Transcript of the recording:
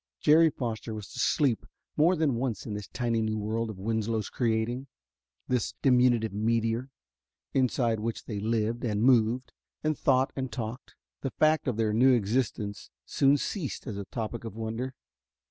Jerry Foster was to sleep more than once in this tiny new world of Winslow's creating, this diminutive meteor, inside which they lived and moved and thought and talked. The fact of their new existence soon ceased as a topic of wonder.